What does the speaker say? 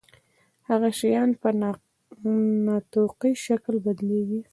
هغه شیان په نا توقعي شکل بدلیږي.